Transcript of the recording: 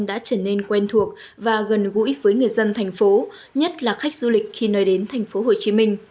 đã trở nên quen thuộc và gần gũi với người dân thành phố nhất là khách du lịch khi nơi đến tp hcm